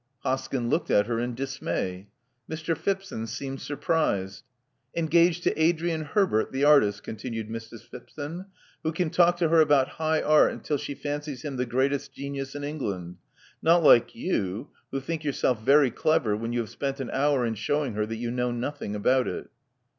Hoskyn looked at her in dismay. Mr. Phipson seemed surprised. Engaged to Adrian Herbert, the artist," continued Mrs. Phipson, who can talk to her about high art until she fancies him the greatest genius in England: not like you, who think yourself very clever when you have spent an hour in shewing her that you know nothing about it."